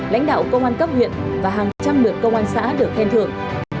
lãnh đạo công an cấp huyện và hàng trăm lượt công an xã được khen thưởng